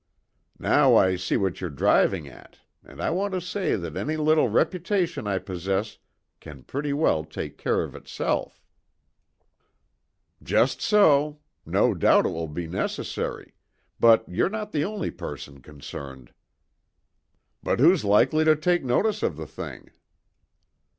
Now I see what you're driving at, and I want to say that any little reputation I possess can pretty well take care of itself." "Just so. No doubt it will be necessary; but you're not the only person concerned." "But who's likely to take notice of the thing?"